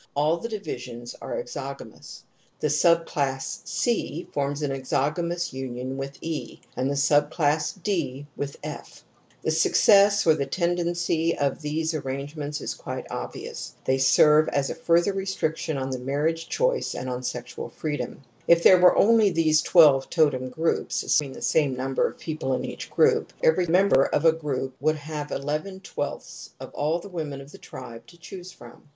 All the divisions are exogamous '. The subclass c forms an exogamous unit with e, and the sub class d with f . The success or the tendency of these arrangements is quite obvious ; they serve as a further restriction on the marriage choicej and on sexual freedom. If there were only these 7 The number of totems is arbitrarily chosen. 14 TOTEM AND TABOO twelve totem groups — assuming the same num ber of people in each group— every member of a group would have |^ of all the women of the tribe to choose from.